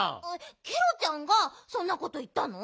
ケロちゃんがそんなこといったの？